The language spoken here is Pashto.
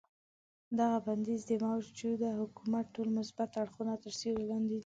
دغه بندیز د موجوده حکومت ټول مثبت اړخونه تر سیوري لاندې نیسي.